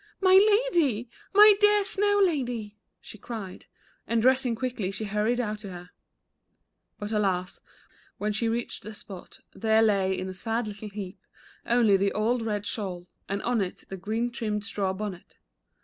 "My Lady, my dear Snow Lady," she cried, and dressing quickly she hurried out to her. But alas, when she reached the spot there lay in a sad little heap only the old red shawl, and on it the green trimmed straw bonnet.